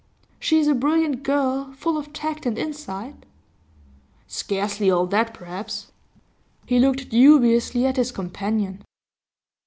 She is a brilliant girl, full of tact and insight?' 'Scarcely all that, perhaps.' He looked dubiously at his companion.